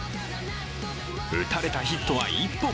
打たれたヒットは１本。